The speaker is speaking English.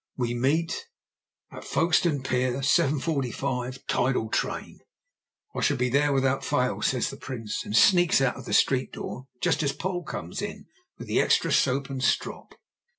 "We meet?" "At Folkestone pier, 7.45, tidal train." "I shall be there without fail," says the Prince, and sneaks out of the street door just as Poll comes in with the extra soap and strop.